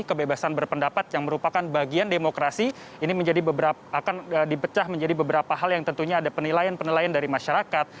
kebebasan berpendapat yang merupakan bagian demokrasi ini akan dipecah menjadi beberapa hal yang tentunya ada penilaian penilaian dari masyarakat